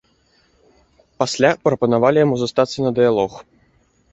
Пасля прапанавалі яму застацца на дыялог.